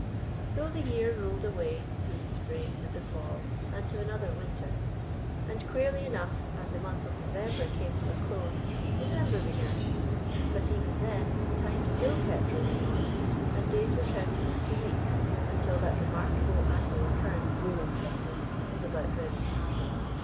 So the year rolled away through the spring and the fall and to another winter. And, queerly enough, as the month of November came to a close, December began. But even then time still kept rolling on, and days were counted into weeks until that remarkable annual oc currence known as Christmas was about ready to happen.